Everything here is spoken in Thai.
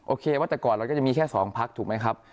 โอเคว่าแต่ก่อนเราก็จะมีแค่๒พักถูกไหมครับ